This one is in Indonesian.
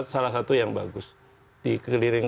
salah satu yang bagus di keliling